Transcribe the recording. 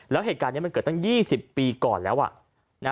แล้วเหตุการณ์นี้มันเกิดตั้ง๒๐ปีก่อนแล้ว